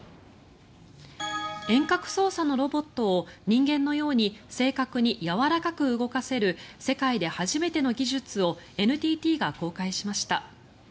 遠隔操作のロボットを人間のように正確にやわらかく動かせる世界で初めての技術をＮＴＴが公開しました。